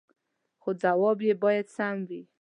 خو جواب يې باید سم وي